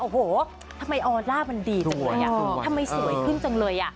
โอ้โหทำไมออร่ามันดีจังเลยทำไมสวยขึ้นจังเลยอ่ะ